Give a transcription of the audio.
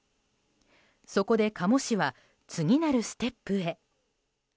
そこで加茂市は次なるステップへ。